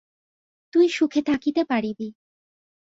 তুই সুখে থাকিতে পারিবি।